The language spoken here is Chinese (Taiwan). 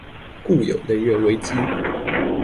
故有能源危機